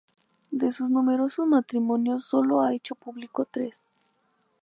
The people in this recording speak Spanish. De sus numeroso matrimonios, solo ha hecho públicos tres.